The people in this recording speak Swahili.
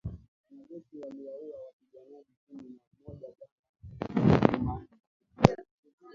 wanajeshi waliwaua wapiganaji kumi na moja jana Jumanne